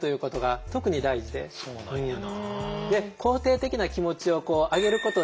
そうなんやなあ。